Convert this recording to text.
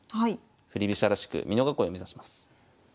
振り飛車らしく美濃囲いを目指します。